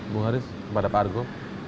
bu haris kepada pak argo